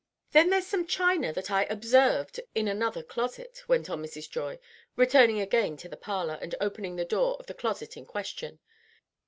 "Then there's some china that I observed in another closet," went on Mrs. Joy, returning again to the parlor, and opening the door of the closet in question.